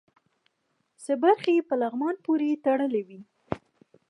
څه برخې یې په لغمان پورې تړلې وې.